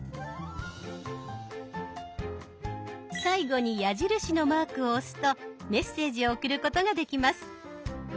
最後に矢印のマークを押すとメッセージを送ることができます。